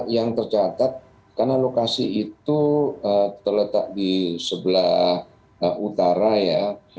yang tercatat karena lokasi itu terletak di sebelah utara ya